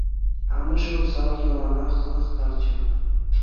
Амӑшӗ усал йӑлана хӑнӑхтарчӗ.